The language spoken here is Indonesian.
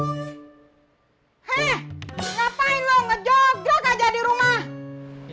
ngapain lo ngejogrok aja di rumah